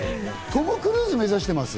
トム・クルーズ目指してます？